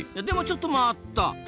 でもちょっと待った！